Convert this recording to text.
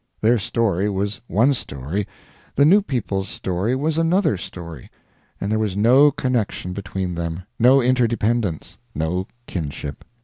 Their story was one story, the new people's story was another story, and there was no connection between them, no interdependence, no kinship.